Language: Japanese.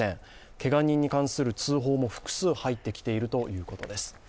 けが人に関する通報も複数入ってきているということです。